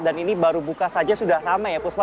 dan ini baru buka saja sudah ramai ya puspa